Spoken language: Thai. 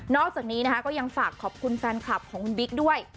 อกจากนี้นะคะก็ยังฝากขอบคุณแฟนคลับของคุณบิ๊กด้วย